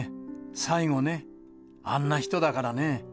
最後ね、あんな人だからね。